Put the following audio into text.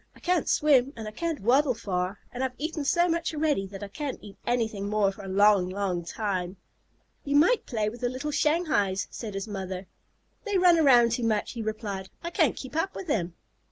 "I can't swim and I can't waddle far, and I've eaten so much already that I can't eat anything more for a long, long time." "You might play with the little Shanghais," said his mother. "They run around too much," he replied. "I can't keep up with them."